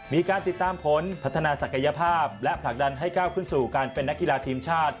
มีการติดตามผลพัฒนาศักยภาพและผลักดันให้ก้าวขึ้นสู่การเป็นนักกีฬาทีมชาติ